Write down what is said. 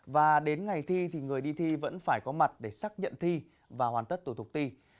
và đến ngày thi thì người đi thi vẫn phải có mặt để xác nhận thi và hoàn tất tổ thục thi